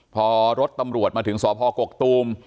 พอรถตำรวจมาถึงสพกกตูม